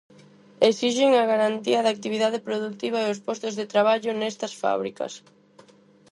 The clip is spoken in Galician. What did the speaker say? Esixen a garantía da actividade produtiva e os postos de traballo nestas fábricas.